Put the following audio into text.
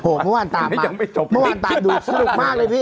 หงงงเมื่อวานต่ามมาเมื่อวานต่ำดูสนุกมากเลยพี่